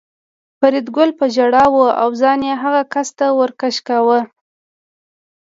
فریدګل په ژړا و او ځان یې هغه کس ته ور کش کاوه